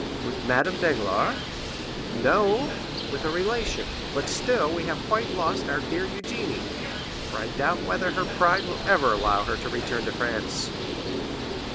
"With Madame Danglars?" "No, with a relation. But still, we have quite lost our dear Eugénie; for I doubt whether her pride will ever allow her to return to France."